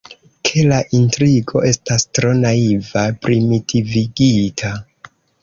Ke la intrigo estas tro naiva, primitivigita.